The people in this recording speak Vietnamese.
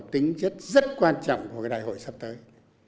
tính chất rất quan trọng của cái đại hội sắp tới